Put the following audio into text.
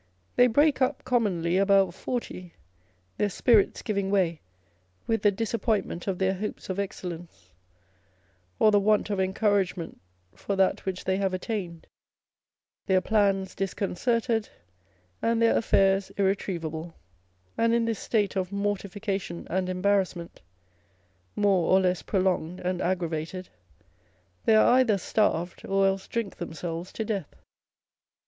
They break up commonly about forty, their spirits giving way with the disappointment of their hopes of excellence, or the want of encouragement for that which they have attained â€" their plans disconcerted, and their affairs irretrievable ; and in this state of mortification and embarrassment (more or less prolonged and aggra vated) they are either starved, or else drink themselves to death.